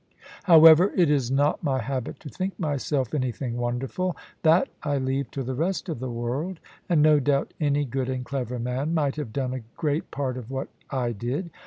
However, it is not my habit to think myself anything wonderful; that I leave to the rest of the world: and no doubt any good and clever man might have done a great part of what I did.